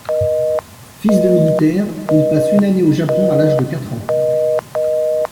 Fils de militaire, il passe une année au Japon à l'âge de quatre ans.